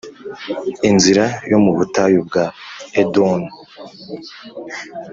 inzira yo mu butayu bwa Edomu